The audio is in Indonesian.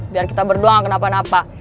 biar kita berdua gak kenapa napa